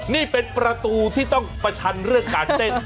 นี่เป็นประตูที่ต้องประชันเรื่องการเต้น